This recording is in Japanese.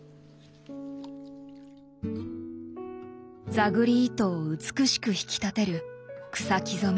座繰り糸を美しく引き立てる草木染め。